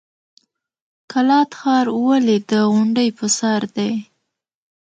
قلات ښار ولې د غونډۍ په سر دی؟